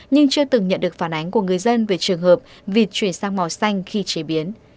nhưng chưa từng nhận được phản ánh của người dân về trường hợp vịt chuyển sang màu xanh khi chế biến